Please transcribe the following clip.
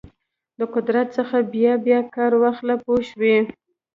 د قدرت څخه بیا بیا کار واخله پوه شوې!.